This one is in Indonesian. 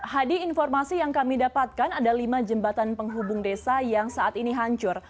hadi informasi yang kami dapatkan ada lima jembatan penghubung desa yang saat ini hancur